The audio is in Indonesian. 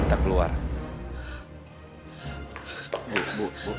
tidak hanya saya punya akses menyusul